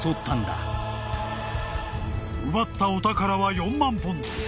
［奪ったお宝は４万ポンド。